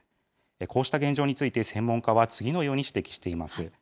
こうした現状について、専門家は次のように指摘しています。